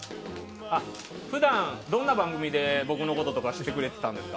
普段、どんな番組で僕のこととか知ってくれてたんですか？